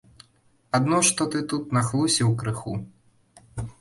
Адно што ты тут нахлусіў крыху.